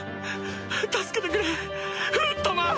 助けてくれフットマン！